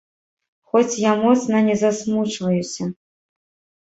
Хоць я моцна не засмучваюся.